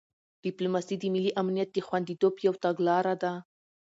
ډیپلوماسي د ملي امنیت د خوندیتوب یو تګلاره ده.